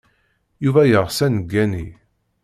Yuba yeɣs ad neggani.